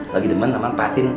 lagi demen sama patin